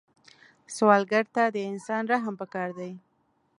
سوالګر ته د انسان رحم پکار دی